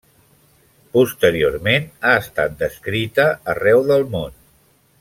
Posteriorment ha estat descrita arreu del món.